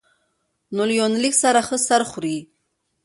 نو له يونليک سره ښه سر خوري